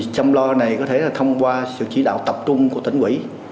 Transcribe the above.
chăm lo này có thể là thông qua sự chỉ đạo tập trung của tỉnh quỹ